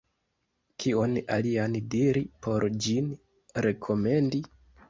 Kion alian diri por ĝin rekomendi?